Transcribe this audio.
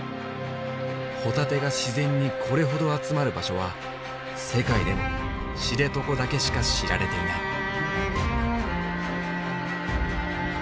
ホタテが自然にこれほど集まる場所は世界でも知床だけしか知られていない。